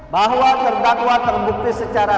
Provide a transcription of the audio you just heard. bahwa terdakwa terbukti secara